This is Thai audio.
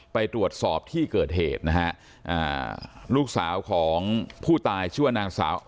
ไปตรวจสอบที่เกิดเหตุนะฮะอ่าลูกสาวของผู้ตายชื่อว่านางสาว